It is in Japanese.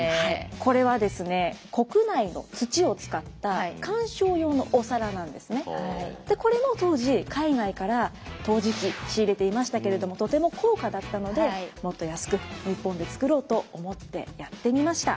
これはですねこれも当時海外から陶磁器仕入れていましたけれどもとても高価だったのでもっと安く日本で作ろうと思ってやってみました。